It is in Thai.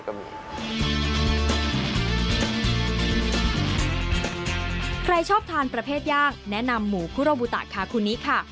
ใครชอบทานประเภทย่างแนะนำหมูคุโรบุตะคาคูนิค่ะ